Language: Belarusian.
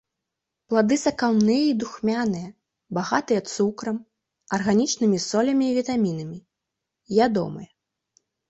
Плады сакаўныя і духмяныя, багатыя цукрам, арганічнымі солямі і вітамінамі, ядомыя.